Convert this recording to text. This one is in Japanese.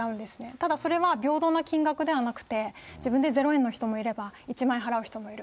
ただそれは平等な金額ではなくて、全然ゼロ円の人もいれば、１万円払う人もいる。